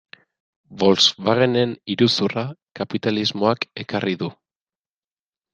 Volkswagenen iruzurra kapitalismoak ekarri du.